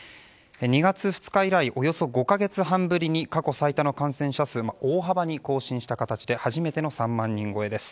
２月２日以来およそ５か月半ぶりに過去最多の感染者数を大幅に更新した形で初めての３万人超えです。